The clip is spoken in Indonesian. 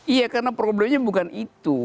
iya karena problemnya bukan itu